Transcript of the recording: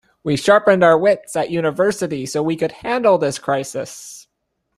We sharpened our wits at university so we could handle this crisis.